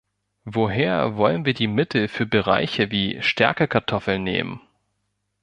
Woher wollen wir die Mittel für Bereiche wie Stärkekartoffeln nehmen?